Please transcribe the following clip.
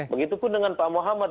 begitu pun dengan pak muhammad